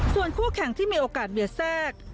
ส่วนคู่แข่งที่มีโอกาสเบียดแทรก